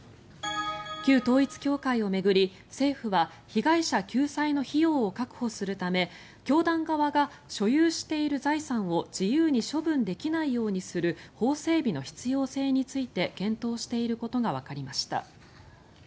旧統一教会を巡り、政府は被害者救済の費用を確保するため教団側が所有している財産を自由に処分できないようにする法整備の必要性について検討していることがわかりました。